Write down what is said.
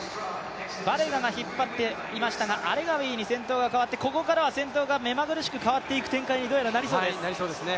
バレガが引っ張っていましたがアレガウィに先頭が変わって、ここからは先頭が変わる、目まぐるしく変わっていく展開にどんどんなりそうです。